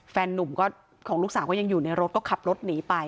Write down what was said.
ของลูกสาวก็ยังอยู่ในรถก็ขับรถหนีไป